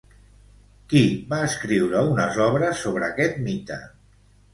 Qui va escriure unes obres sobre aquest mite?